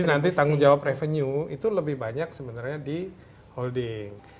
jadi nanti tanggung jawab revenue itu lebih banyak sebenarnya di holding